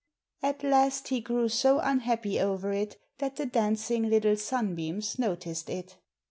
At last he grew so unhappy over it that the dancing little sunbeams noticed it.